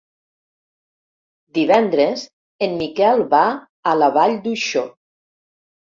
Divendres en Miquel va a la Vall d'Uixó.